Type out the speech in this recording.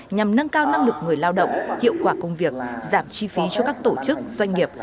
nhằm nâng cao năng lực người lao động hiệu quả công việc giảm chi phí cho các tổ chức doanh nghiệp